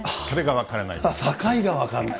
境が分からない。